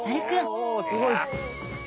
おおすごい。